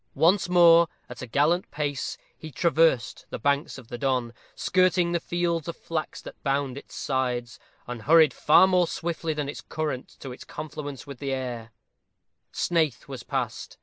Once more, at a gallant pace, he traversed the banks of the Don, skirting the fields of flax that bound its sides, and hurried far more swiftly than its current to its confluence with the Aire. Snaith was past.